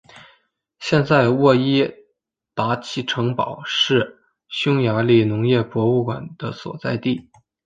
现在沃伊达奇城堡是匈牙利农业博物馆的所在地。